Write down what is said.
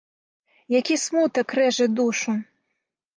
Які смутак рэжа душу!